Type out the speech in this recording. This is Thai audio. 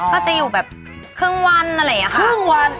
ก็จะอยู่แบบครึ่งวันอะไรอย่างนี้ค่ะครึ่งวัน